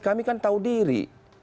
kami kan tahu diri